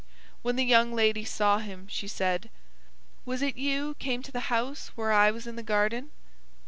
When the young lady saw him, she said: "Was it you came to the house where I was in the garden?"